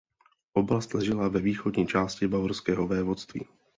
Oblast ležela ve východní části bavorského vévodství.